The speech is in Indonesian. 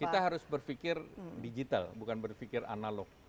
kita harus berpikir digital bukan berpikir analog